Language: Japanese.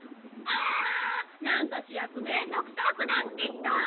ああなんかしゅやくめんどくさくなってきた！